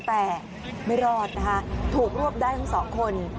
แต่ไม่รอดนะคะถูกรวบได้ทั้งสองคน